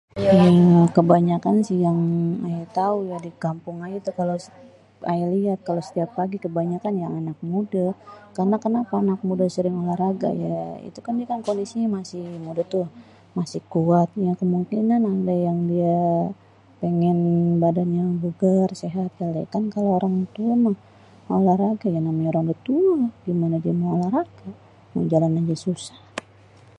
Bingung. Kebanyakin sih yang ayé tau ya di kampung ayé tuh kalo ayé liat kalo setiap pagi kebanyakan yang anak mudè. Karna kenapa anak mudè sering olahraga? Ya itu kan dia kan kondisinya masih mudè tuh masih kuat. Ya kemungkinan ada yang dia pengen badannya bugèr, sehat kali. Kan kalo orang tua mah nggak olahraga ya namanya udah tua gimana dia mau olahraga, mau jalan aja susah.